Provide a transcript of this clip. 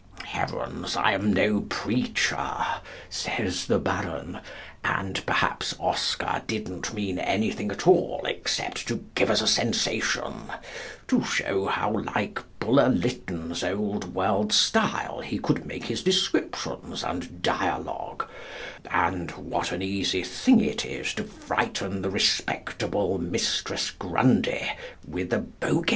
"Heavens! I am no preacher," says the Baron, "and perhaps Oscar didn't mean anything at all, except to give us a sensation, to show how like Bulwer Lytton's old world style he could make his descriptions and his dialogue, and what an easy thing it is to frighten the respectable Mrs. Grundy with a Bogie."